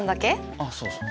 あっそうそう。